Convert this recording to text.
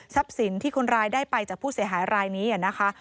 สินที่คนร้ายได้ไปจากผู้เสียหายรายนี้นะคะ